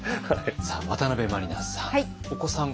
さあ渡辺満里奈さん。